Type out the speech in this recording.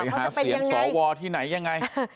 มันจะเป็นยังไง